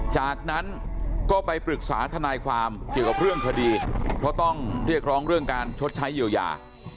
จากนั้นก็ไปปรึกษาทนายความเกี่ยวกับเรื่องคดีเพราะต้องเรียกร้องเรื่องการชดใช้เยียวยา